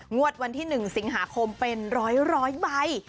งวดวันที่๑สิงหาคมเป็นร้อยใบ